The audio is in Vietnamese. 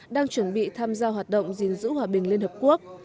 đang chuẩn bị tham gia hoạt động gìn giữ hòa bình liên hợp quốc